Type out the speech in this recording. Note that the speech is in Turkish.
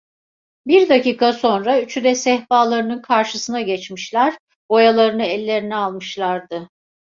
Bir dakika sonra üçü de sehpalarının karşısına geçmişler, boyalarını ellerine almışlardı.